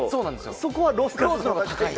そこはローロースのほうが高い。